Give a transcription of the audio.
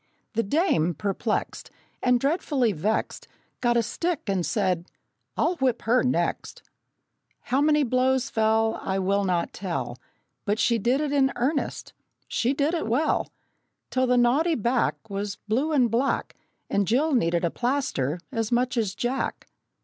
The dame, perplexed And dreadfully vexed, Got a stick and said, "I'll whip her next!" How many blows fell I will not tell, But she did it in earnest, she did it well, Till the naughty back Was blue and black, And Jill needed a plaster as much as Jack!